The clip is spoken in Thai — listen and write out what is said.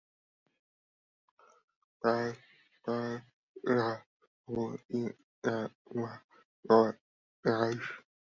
บ้านบ่อคำอยู่ที่จังหวัดหนองคาย